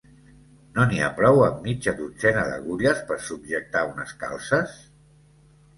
No n'hi ha prou amb mitja dotzena d'agulles per subjectar unes calces?